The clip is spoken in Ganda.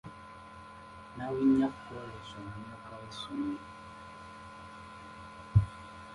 Nabunnya Florence omumyuka w'essomero.